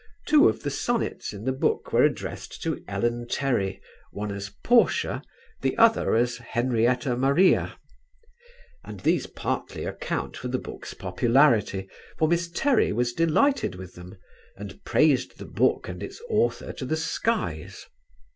Two of the Sonnets in the book were addressed to Ellen Terry, one as "Portia," the other as "Henrietta Maria"; and these partly account for the book's popularity, for Miss Terry was delighted with them and praised the book and its author to the skies.